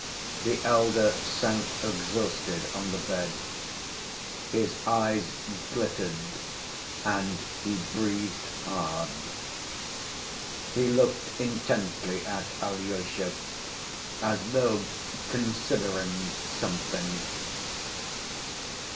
The elder sank exhausted on the bed. His eyes glittered and he breathed hard. He looked intently at Alyosha, as though considering something.